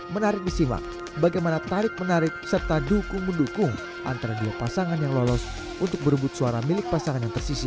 menarik disimak bagaimana tarik menarik serta dukung mendukung antara dua pasangan yang lolos untuk berebut suara milik pasangan yang tersisi